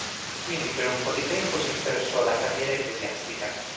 Quindi per un po' di tempo si interessò della carriera ecclesiastica.